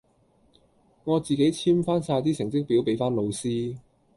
我自己簽返曬啲成績表俾返老師。